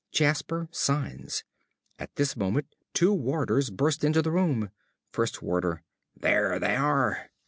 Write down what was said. (Jasper signs. At this moment two warders burst into the room.) ~First Warder.~ There they are!